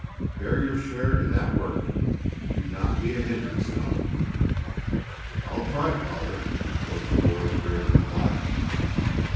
Bear your share in that work do not be a hindrance, Don." "I'll try, father," was the boy's grave reply.